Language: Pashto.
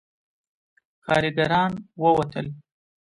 کارګران ووتل.